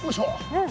うん。